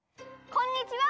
こんにちは！